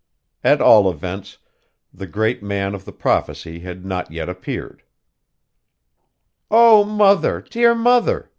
At all events, the great man of the prophecy had not yet appeared. 'O mother, dear mother!